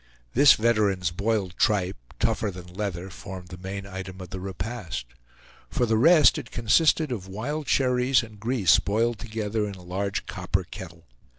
This veteran's boiled tripe, tougher than leather, formed the main item of the repast. For the rest, it consisted of wild cherries and grease boiled together in a large copper kettle.